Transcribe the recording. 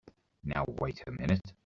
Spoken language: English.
Now wait a minute!